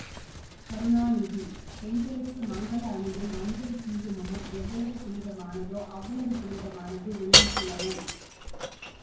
கருணாநிதி— பெண்களுக்கு மங்கல அணியும், மஞ்சள் குங்குமமும் எவ்வளவு புனிதமானதோ அவ்வளவு புனிதமானது வெள்ளிக்கிழமை!